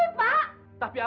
pak tapi pak